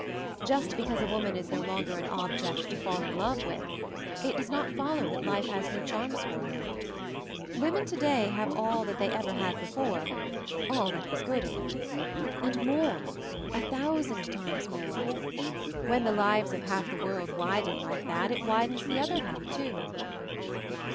"Just because a woman is no longer an object to 'fall in love* with, it does not follow that life has no charms for her. Women to day have all that they ever had before, all that was good in it; and more, a thousand times more. When the lives of half the world widen like that it widens the other half too."